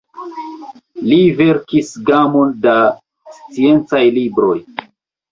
Li verkis gamon da sciencaj libroj.